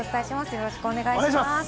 よろしくお願いします。